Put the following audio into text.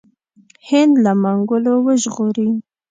هند له منګولو وژغوري.